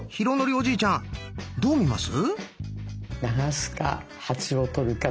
おじいちゃんどう見ます？